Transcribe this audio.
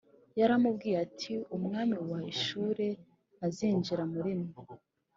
yaramubwiye ati umwami wa Ashuri ntazinjira muri mwe